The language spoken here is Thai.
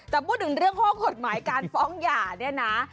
แต่พูดถึงเรื่องข้อกฎหมายการฟ้องหย่าเนี่ยนะ